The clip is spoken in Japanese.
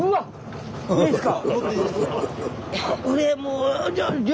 いいですか！